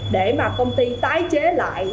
để mà công ty tái chế lại